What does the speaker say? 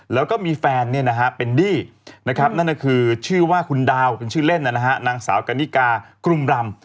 แล้วก็มีแฟนเป็นดี้นะครับนั่นคือคุณดาวน์ชื่อเล่นนางสาวกนิกกาจูอมรำ